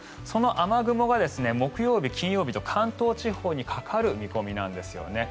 その雨雲が木曜日、金曜日と関東地方にかかる見込みなんです。